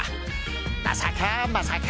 まさかまさか。